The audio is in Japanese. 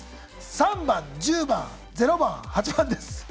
３番・１０番・０番・８番です。